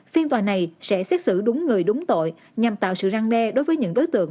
phiên tòa này sẽ xét xử đúng người đúng tội nhằm tạo sự răng đe đối với những đối tượng